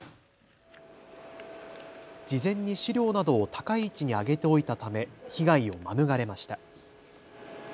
事前に資料などを高い位置に上げておいたため被害を免れました。